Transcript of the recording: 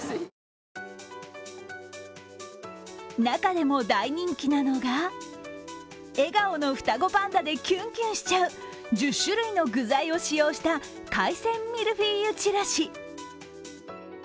中でも大人気なのが笑顔の双子パンダでキュンキュンしちゃう１０種類の具材を使用した海鮮ミルフィーユちらし。